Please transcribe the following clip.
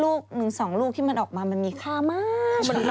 ลูกหนึ่ง๒ลูกที่มันออกมามันมีค่ามาก